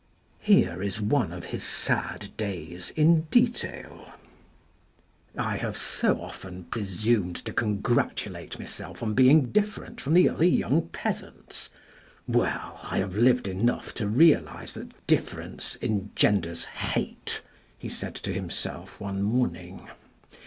Here is one of his sad days in detail :" I have so often presumed to congratulate myself on being different from the other young peasants ! Well, I have lived enough to realise that difference engenders hate" he said to himself one morning.